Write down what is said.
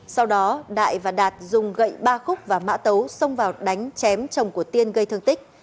sau đó đại và đạt dùng gậy ba khúc và mã tấu xông vào đánh chém chồng của tiên gây thương tích